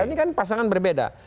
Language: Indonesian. ini kan pasangan berbeda